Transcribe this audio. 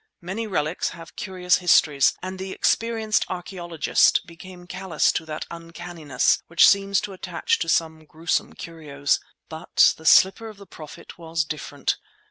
Many relics have curious histories, and the experienced archaeologist becomes callous to that uncanniness which seems to attach to some gruesome curios. But the slipper of the Prophet was different.